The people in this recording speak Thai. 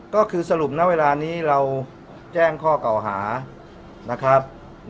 ก็คือสรุปนะเวลานี้เราแจ้งข้อเก่าหานะครับ